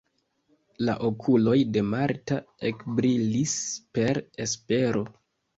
La okuloj de Marta ekbrilis per espero.